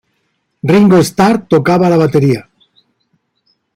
Ringo Starr tocaba la batería.